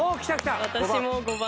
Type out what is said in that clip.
私も５番。